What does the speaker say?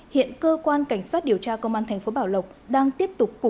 hiện cơ quan cảnh sát điều tra công an tp bảo lộc đang tiếp tục